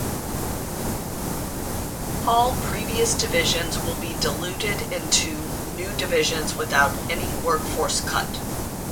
All previous divisions will be diluted into new divisions without any workforce cut.